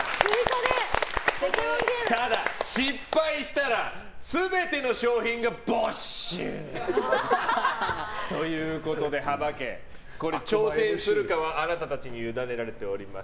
ただ、失敗したら全ての商品が没収！ということで幅家挑戦するかはあなたたちに委ねられています。